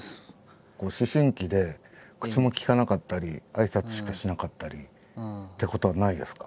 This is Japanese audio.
思春期で口も利かなかったり挨拶しかしなかったりってことはないですか？